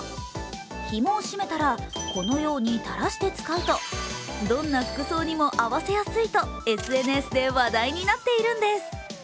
ひもをしめたらこのようにたらして使うとどんな服装にも合わせやすいとＳＮＳで話題になっているんです。